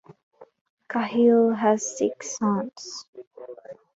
Cahill has six sons.